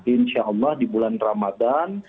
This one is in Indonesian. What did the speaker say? insya allah di bulan ramadan